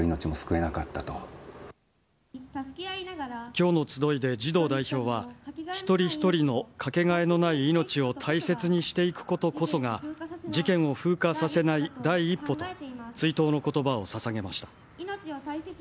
今日の集いで児童代表は一人一人のかけがえのない命を大切にしていくことこそが事件を風化させない第一歩と追悼の言葉を捧げました。